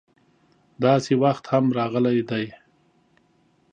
داسې وخت هم راغلی دی.